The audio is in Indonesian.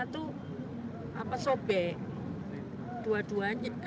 itu sobek dua duanya